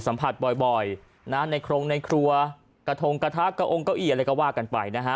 สัมผัสบ่อยนะในโครงในครัวกระทงกระทะกระองเก้าอี้อะไรก็ว่ากันไปนะฮะ